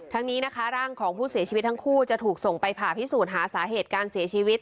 นี้นะคะร่างของผู้เสียชีวิตทั้งคู่จะถูกส่งไปผ่าพิสูจน์หาสาเหตุการเสียชีวิต